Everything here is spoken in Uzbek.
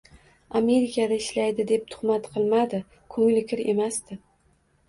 Amerikaga ishlaydi deb tuhmat qilmadi. Ko‘ngli kir emasdi.